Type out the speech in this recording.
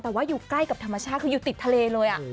แต่ว่าอยู่ใกล้กับธรรมชาติคืออยู่ติดทะเลเลย